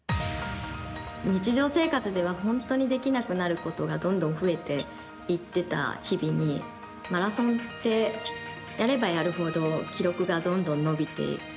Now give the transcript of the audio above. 日常生活では本当にできなくなることがどんどん増えていってた日々にマラソンってやればやるほど記録がどんどん伸びていく。